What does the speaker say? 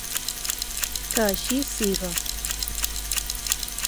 "Que així siga".